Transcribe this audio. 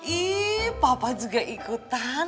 ih papa juga ikutan